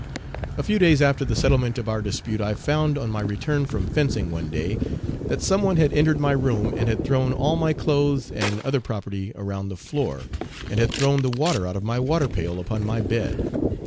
"A few days after the settlement of our dispute I found, on my return from fencing one day, that some one had entered my room and had thrown all my clothes and other property around the floor, and had thrown the water out of my water pail upon my bed.